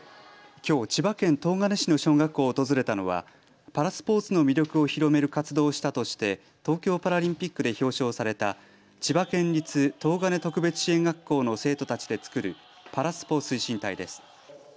きょう、千葉県東金市の小学校を訪れたのはパラスポーツの魅力を広める活動をしたとして東京パラリンピックで表彰された千葉県立東金特別支援学校の生徒たちで作るパラスポ推進隊です。